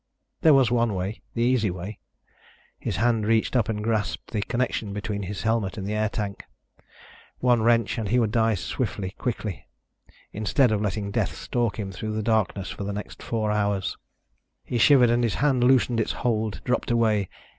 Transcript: There was one way, the easy way. His hand reached up and grasped the connection between his helmet and the air tank. One wrench and he would die swiftly, quickly ... instead of letting death stalk him through the darkness for the next four hours. He shivered and his hand loosened its hold, dropped away.